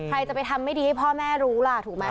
ใครจะไปทำไม่ดีให้พ่อแม่รู้นะคะ